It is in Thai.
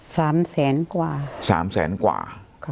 สามแสงกว่า๓แสงกว่า